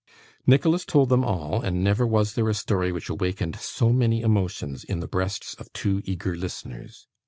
Nicholas told them all, and never was there a story which awakened so many emotions in the breasts of two eager listeners.